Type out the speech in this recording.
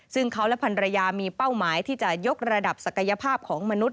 ซึ่งเขาและพันรยามีเป้าหมายที่จะยกระดับศักยภาพของมนุษย